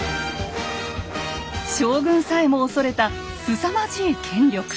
将軍さえも恐れたすさまじい権力。